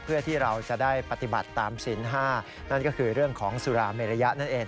เพื่อที่เราจะได้ปฏิบัติตามศีล๕นั่นก็คือเรื่องของสุราเมริยะนั่นเอง